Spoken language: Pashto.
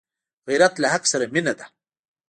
غیرت له حق سره مینه ده